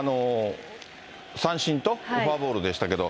三振とフォアボールでしたけど、